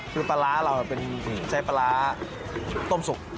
คือปลาร้าเราใช้ปลาร้าต้มสุก